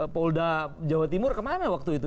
polda jawa timur kemana waktu itu